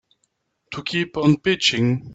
To keep on pitching.